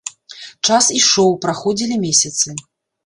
Час ішоў, праходзілі месяцы.